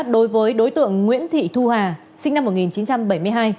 đối với đối tượng nguyễn thị thu hà sinh năm một nghìn chín trăm bảy mươi hai